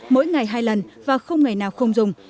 mỗi ngày hai lần và không ngày nào không dùng